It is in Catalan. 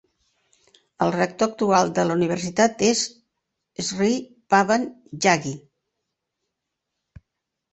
El rector actual de la universitat és Shri Pawan Jaggi.